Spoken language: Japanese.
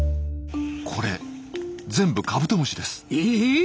これ全部カブトムシです。え！